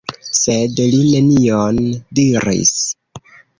Sed li nenion diris.